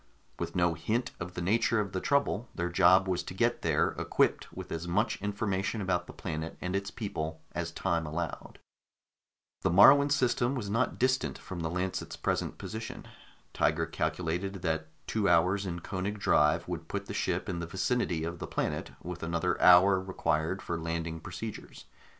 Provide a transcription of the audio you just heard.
With no hint of the nature of the trouble, their job was to get there, equipped with as much information about the planet and its people as time allowed. The Moruan system was not distant from the Lancet's present location. Tiger calculated that two hours in Koenig drive would put the ship in the vicinity of the planet, with another hour required for landing procedures.